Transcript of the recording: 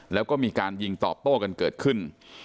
แล้วก็มีการยิงตอบโต้กันเกิดขึ้น